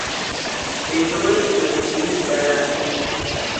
Ekyo bwe kityo bwe kiri ddala.